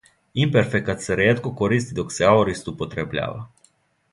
Имперфекат се ретко користи, док се аорист употребљава.